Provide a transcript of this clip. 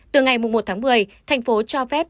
từ ngày một một mươi thành phố cho phép đưa dịch bệnh